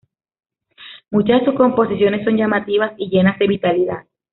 Muchas de sus composiciones son llamativas y llenas de vitalidad.